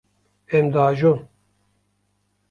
Em diajon.